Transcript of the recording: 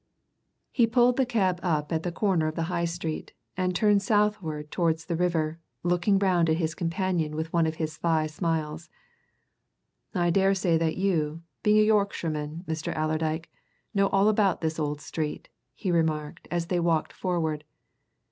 He pulled the cab up at the corner of the High Street, and turned southward towards the river, looking round at his companion with one of his sly smiles. "I daresay that you, being a Yorkshireman, Mr. Allerdyke, know all about this old street," he remarked as they walked forward.